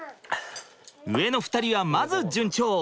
上の２人はまず順調。